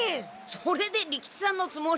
それで利吉さんのつもり！？